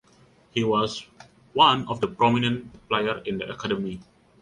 He was one of the prominent players in the academy.